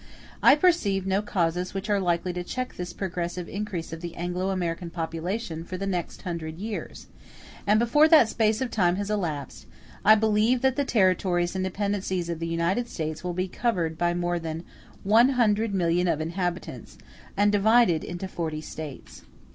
I perceive no causes which are likely to check this progressive increase of the Anglo American population for the next hundred years; and before that space of time has elapsed, I believe that the territories and dependencies of the United States will be covered by more than 100,000,000 of inhabitants, and divided into forty States.